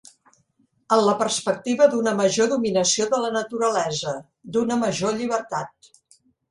En la perspectiva d'una major dominació de la naturalesa, d'una major llibertat.